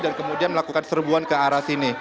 dan kemudian melakukan serbuan ke arah sini